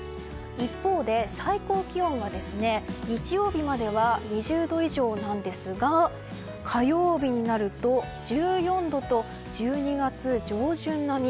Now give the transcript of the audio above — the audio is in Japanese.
一方で、最高気温は日曜日までは２０度以上なんですが火曜日になると１４度と１２月上旬並み。